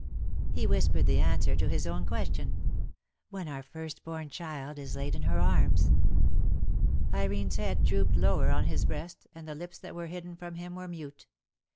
He whispered the answer to his own question. "When our first born child is laid in her arms." Irene's head drooped lower on his breast, and the lips that were hidden from him were mute.